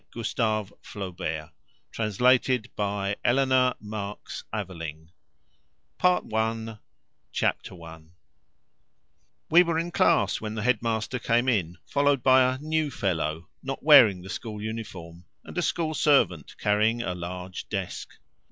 Gustave Flaubert, Paris, 12 April 1857 MADAME BOVARY Part I Chapter One We were in class when the head master came in, followed by a "new fellow," not wearing the school uniform, and a school servant carrying a large desk.